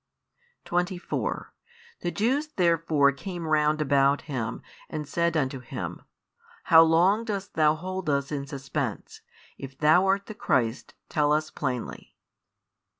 24 The Jews therefore came round about Him, and said unto Him, How long dost Thou hold us in suspense? If Thou art the Christ, tell us plainly.